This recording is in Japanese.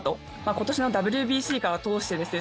今年のＷＢＣから通してですね